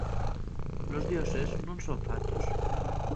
Los dioses nun son fatos.